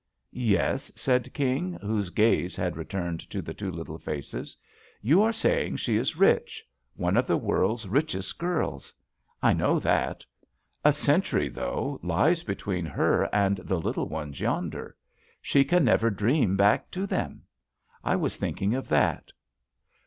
"Yes," said King, whose gaze had returned to the two little faces. "You were saying she is rich — one of the world's richest girls. I know that. A century though lies between her and the little ones yonder. She can never dream back to them. I was thinking of that."